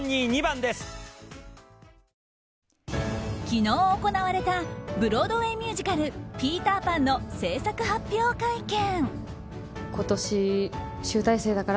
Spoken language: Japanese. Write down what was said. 昨日行われたブロードウェーミュージカル「ピーターパン」の制作発表会見。